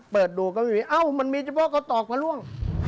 เปิดดูก็เหอะมันมีทางโต๊ะตอกพระร่วง